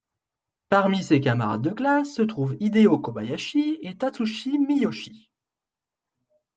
Parmi ses camarades de classe se trouvent Hideo Kobayashi et Tatsuji Miyoshi.